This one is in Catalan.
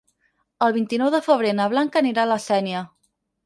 El vint-i-nou de febrer na Blanca anirà a la Sénia.